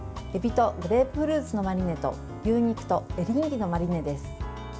えびとグレープフルーツのマリネと牛肉とエリンギのマリネです。